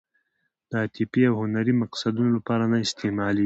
د عاطفي او هنري مقصدونو لپاره نه استعمالېږي.